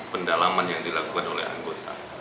pendalaman yang dilakukan oleh anggota